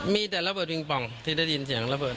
มีแต่ระเบิดปิงปองที่ได้ยินเสียงระเบิด